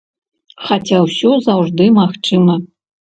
Хаця ўсё заўжды магчыма!